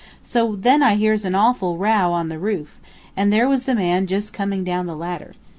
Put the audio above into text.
So then I hears an awful row on the roof, and there was the man just coming down the ladder.